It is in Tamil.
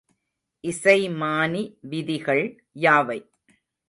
இசைமானி விதிகள் யாவை?